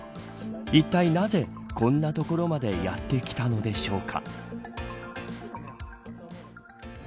いったいなぜこんな所までやってきたのでしょうか。